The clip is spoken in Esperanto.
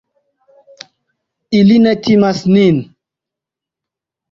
Ili ne timas nin.